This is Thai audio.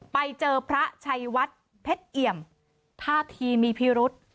ไปเจอพระชัยวัดเพชรเอี่ยมท่าทีมีพิรุษ